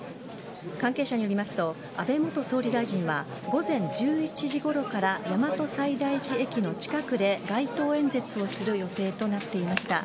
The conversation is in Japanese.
関係者によりますと安倍元総理大臣は午前１１時ごろから大和西大寺駅の近くで街頭演説をする予定となっていました。